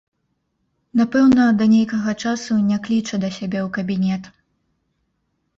Напэўна, да нейкага часу не кліча да сябе ў кабінет.